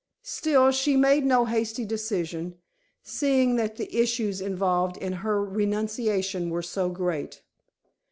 Still, she made no hasty decision, seeing that the issues involved in her renunciation were so great.